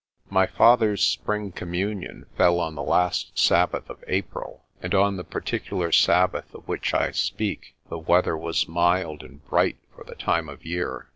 My father's spring Communion fell on the last Sabbath of April, and on the particular Sabbath of which I speak the weather was mild and bright for the time of year.